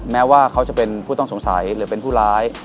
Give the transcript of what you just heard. แม้ว่าเขาจะเป็นผู้ต้องสงสัยหรือเป็นผู้ร้าย